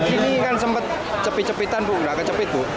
ini kan sempat cepit cepitan bu nggak kecepit bu